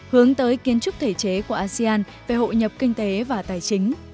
hướng tới kiến trúc thể chế của asean về hội nhập kinh tế và tài chính